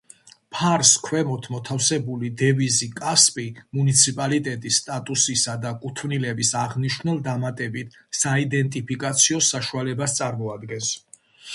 ფარს ქვემოთ მოთავსებული დევიზი „კასპი“, მუნიციპალიტეტის სტატუსისა და კუთვნილების აღმნიშვნელ დამატებით საიდენტიფიკაციო საშუალებას წარმოადგენს.